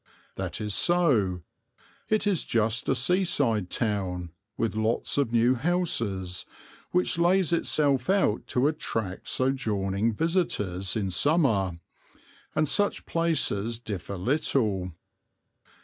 That is so. It is just a seaside town, with lots of new houses, which lays itself out to attract sojourning visitors in summer, and such places differ little.